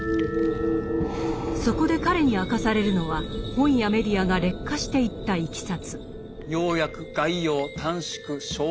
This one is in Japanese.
そこで彼に明かされるのは本やメディアが劣化していったいきさつ。